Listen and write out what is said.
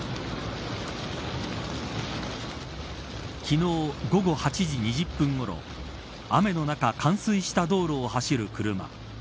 昨日、午後８時２０分ごろ雨の中、冠水した道路を走る車。